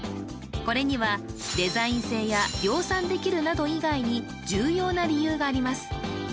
これにはデザイン性や量産できるなど以外に重要な理由があります